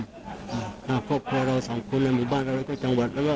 ครอบครอบครอบเราสามคนในหมู่บ้านเราก็จังหวัดแล้วก็